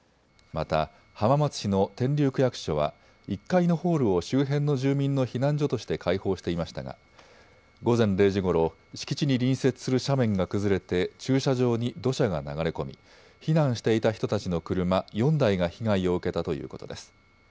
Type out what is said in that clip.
また浜松市の天竜区役所は１階のホールを周辺の住民の避難所として開放していましたが午前０時ごろ、敷地に隣接する斜面が崩れて駐車場に土砂が流れ込み、避難していた人たちの車４台が被害を受けたということです。